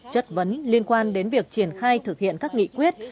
chất vấn liên quan đến việc triển khai thực hiện các nghị quyết